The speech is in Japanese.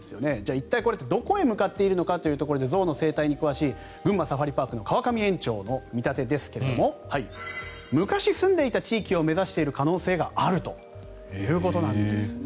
一体、これはどこに向かっているのかというと象の生態に詳しい群馬サファリパークの川上園長の見立てですが昔すんでいた地域を目指している可能性があるということなんですね。